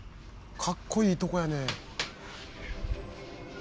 かっこいいとこやね！